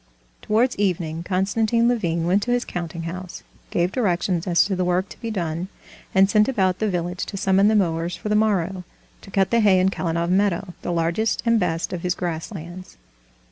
Towards evening Konstantin Levin went to his counting house, gave directions as to the work to be done, and sent about the village to summon the mowers for the morrow, to cut the hay in Kalinov meadow, the largest and best of his grass lands.